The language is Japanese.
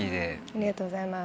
ありがとうございます。